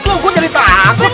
loh gua jadi takut